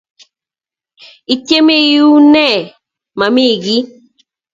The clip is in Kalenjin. """Ityeme iuny nee?""""Mami kiiy."""